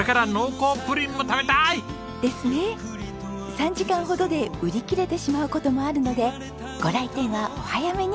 ３時間ほどで売り切れてしまう事もあるのでご来店はお早めに。